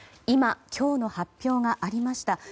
今、今日の発表がありました。